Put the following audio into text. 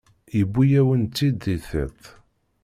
Yewwi-yawen-tt-id di tiṭ.